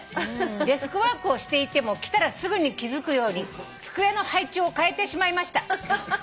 「デスクワークをしていても来たらすぐに気付くように机の配置をかえてしまいました」